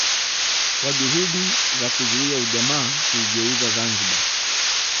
Kuwa juhudi za kuzuia ujamaa kuigeuza Zanzibar